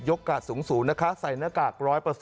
กาสสูงนะคะใส่หน้ากาก๑๐๐